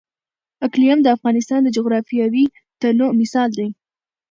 اقلیم د افغانستان د جغرافیوي تنوع مثال دی.